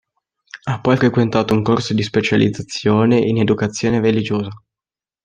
Ha poi frequentato un corso di specializzazione in educazione religiosa.